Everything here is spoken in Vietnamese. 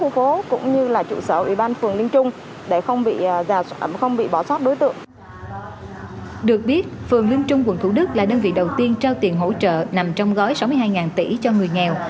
được biết phường linh trung quận thủ đức là đơn vị đầu tiên trao tiền hỗ trợ nằm trong gói sáu mươi hai tỷ cho người nghèo